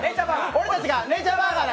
俺たちがネイチャーバーガーだ！